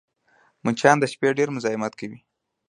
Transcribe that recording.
مچان د شپې ډېر مزاحمت کوي